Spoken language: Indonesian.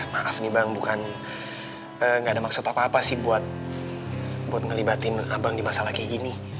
maaf nih bang bukan gak ada maksud apa apa sih buat ngelibatin abang di masalah kayak gini